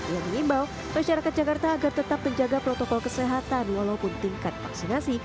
ia mengimbau masyarakat jakarta agar tetap menjaga protokol kesehatan walaupun tingkat vaksinasi